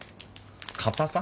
硬さ？